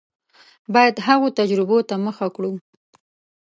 باید هغو تجربو ته مخه کړو.